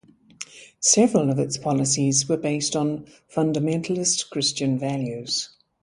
Several of its policies were based on fundamentalist Christian values.